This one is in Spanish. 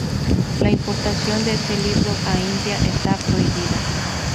La importación de este libro a India está prohibida.